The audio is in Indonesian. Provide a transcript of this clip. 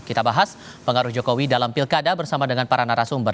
kita bahas pengaruh jokowi dalam pilkada bersama dengan para narasumber